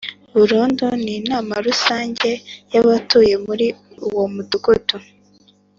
burundu n’Inama Rusange yabatuye muri uwo mudugudu